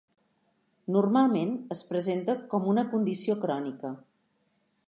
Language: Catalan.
Normalment es presenta com una condició crònica.